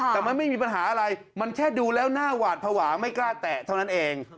แต่มันไม่มีปัญหาอะไรมันแค่ดูแล้วหน้าหวาดภาวะไม่กล้าแตะเท่านั้นเอง